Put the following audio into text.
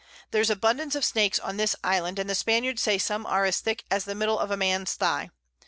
There's abundance of Snakes on this Island, and the Spaniards say some are as thick as the Middle of a Man's Thigh.